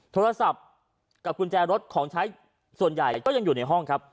โทรศัพท์กับกุญแจรถของใช้ส่วนใหญ่ก็ยังอยู่ในห้องครับ